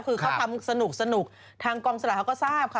คือเขาทำสนุกทางกองสลากเขาก็ทราบค่ะ